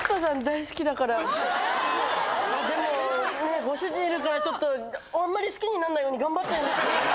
でもご主人いるからちょっとあんまり好きにならないように頑張ってるんです。